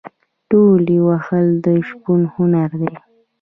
تولې وهل د شپون هنر دی.